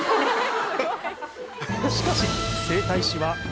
しかし。